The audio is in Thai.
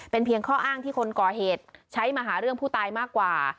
เป็นเพียงข้ออ้างที่คนก่อเหตุใช้มาหาเรื่องผู้ตายมากกว่า